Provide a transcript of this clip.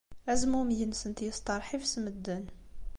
Azmumeg-nsent yesteṛḥib s medden.